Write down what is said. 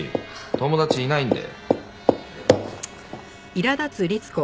友達いないんで。